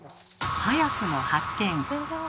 早くも発見！